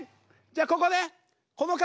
じゃあここね。